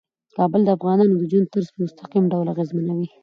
کابل د افغانانو د ژوند طرز په مستقیم ډول اغېزمنوي.